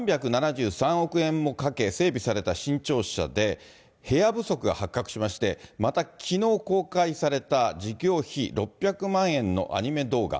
３７３億円もかけ、整備された新庁舎で、部屋不足が発覚しまして、またきのう公開された事業費６００万円のアニメ動画。